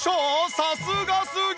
さすがすぎ！